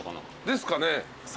ですかね？